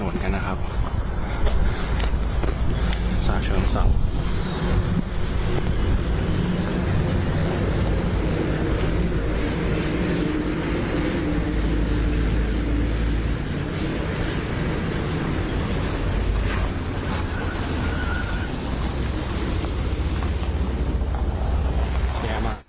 แย่มาก